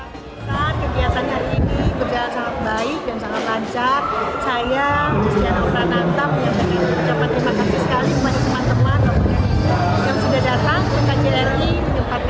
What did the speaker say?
kegiatan hari ini berjalan sangat baik dan sangat lancar saya istri anak iraq terima kasih sekali kepada teman teman yang sudah datang ke kjri